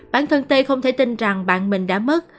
bạn thân t không thể tin rằng bạn mình đã mất